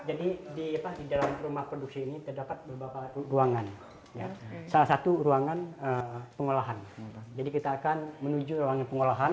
jadi di rumah produksi ini terdapat beberapa ruangan salah satu ruangan pengolahan jadi kita akan menuju ruang pengolahan